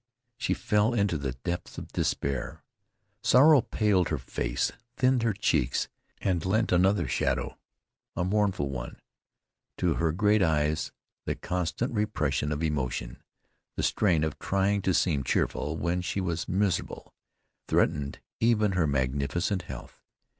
She fell into the depths of despair. Sorrow paled her face, thinned her cheeks and lent another shadow, a mournful one, to her great eyes. The constant repression of emotion, the strain of trying to seem cheerful when she was miserable, threatened even her magnificent health.